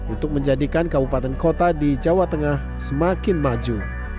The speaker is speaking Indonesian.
untuk menjadikan kabupaten kota di jawa tengah semakin maju